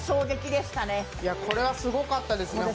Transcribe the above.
これはすごかったですね